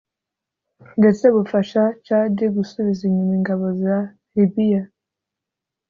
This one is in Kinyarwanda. ndetse bufasha Tchad gusubiza inyuma ingabo za Libya